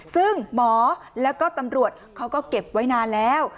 ซึ่งหมอแล้วก็ตำรวจเขาก็เก็บไว้นานแล้ว